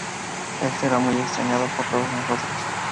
Él será muy extrañado por todos nosotros.